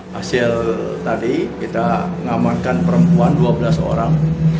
hasil tadi kita mengamankan perempuan dua belas orang